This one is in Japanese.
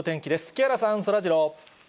木原さん、そらジロー。